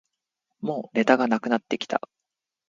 もうネタがなくなってきた